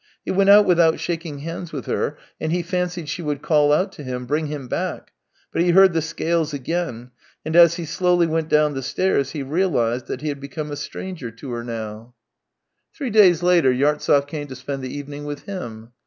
He went out without shaking hands with her, and he fancied she would call out to him, bring him back, but he heard the scales again, and as he slowly went down the stairs he realized that he had become a stranger to her now. THREE YEARS 289 Three days later Yartsev came to spend the evening with him.